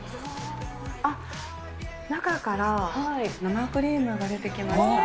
あっ、中から生クリームが出てきました。